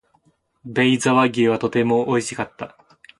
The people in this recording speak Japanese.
米沢牛はとても美味しかった